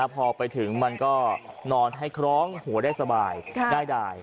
พอไปถึงมันก็นอนให้คล้องหัวได้สบายง่ายดาย